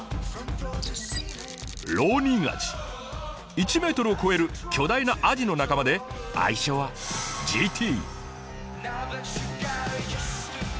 １ｍを超える巨大なアジの仲間で愛称はＧＴ！